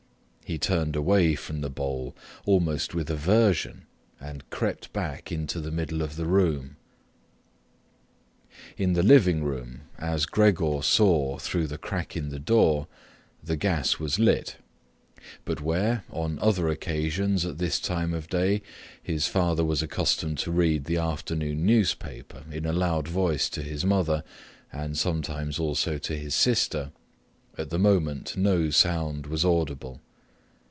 He turned away from the bowl almost with aversion and crept back into the middle of the room. In the living room, as Gregor saw through the crack in the door, the gas was lit, but where, on other occasions at this time of day, his father was accustomed to read the afternoon newspaper in a loud voice to his mother and sometimes also to his sister, at the moment no sound was audible.